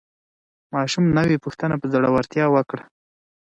ماشوم نوې پوښتنه په زړورتیا وکړه